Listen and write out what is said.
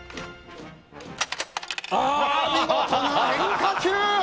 見事な変化球！